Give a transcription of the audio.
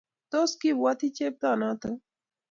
Tos, kiibwoti chepto noto?